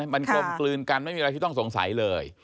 มันกลมกลืนกันไม่มีอะไรที่ต้องสงสัยเลย